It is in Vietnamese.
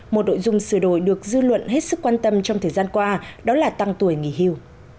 một nội dung sửa đổi được dư luận hết sức quan tâm trong thời gian qua đó là tăng tuổi nghỉ hưu